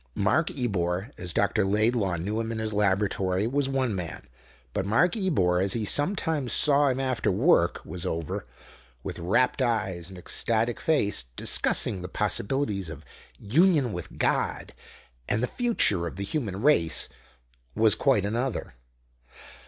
Mark Ebor, as Dr. Laidlaw knew him in his laboratory, was one man; but Mark Ebor, as he sometimes saw him after work was over, with rapt eyes and ecstatic face, discussing the possibilities of "union with God" and the future of the human race, was quite another.